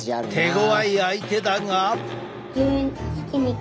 手ごわい相手だが？